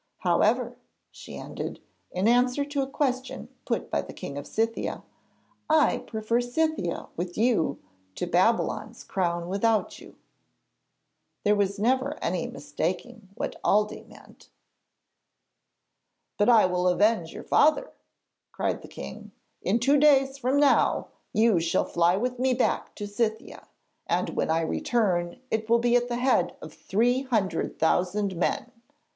'However,' she ended, in answer to a question put by the King of Scythia; 'I prefer Scythia with you to Babylon's crown without you.' There never was any mistaking what Aldée meant. 'But I will avenge your father,' cried the king. 'In two days from now you shall fly with me back to Scythia, and when I return it will be at the head of three hundred thousand men.'